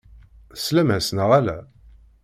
Teslam-as, neɣ ala?